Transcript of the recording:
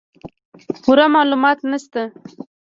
پوره معلومات نشته